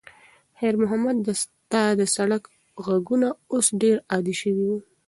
خیر محمد ته د سړک غږونه اوس ډېر عادي شوي وو.